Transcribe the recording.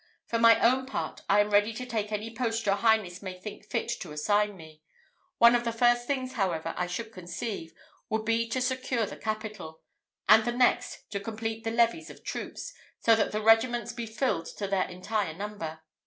For my own part, I am ready to take any post your highness may think fit to assign me. One of the first things, however, I should conceive, would be to secure the capital; and the next, to complete the levies of troops, so that the regiments be filled to their entire number.